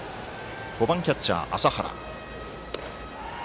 ５番、キャッチャー、麻原。